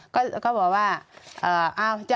เขาพูดว่าอะไรจ๊ะ